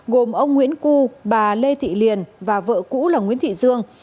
gồm ông nguyễn cu bà lê thị liền và vợ cũ là nguyễn thị dương